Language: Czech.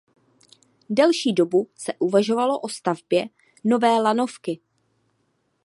Delší dobu se uvažovalo o stavbě nové lanovky.